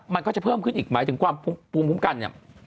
มันก็จะเพิ่มขึ้นอีกหมายถึงความภูมิคุ้มกันเนี่ย